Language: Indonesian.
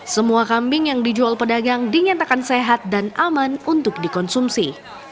semua kambing yang dijual pedagang dinyatakan sehat dan aman untuk dikonsumsi